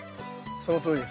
そのとおりです。